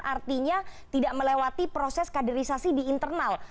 artinya tidak melewati proses kaderisasi di internal